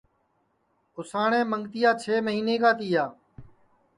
اُساٹؔیں منگتِیا چھ مہینے کا تِیا